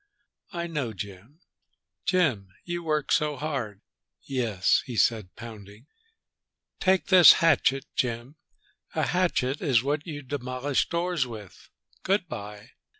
"I know Jim. Jim, you work so hard!" "Yes!" he said, pounding. "Take this hatchet, Jim. A hatchet is what you demolish doors with! Good by."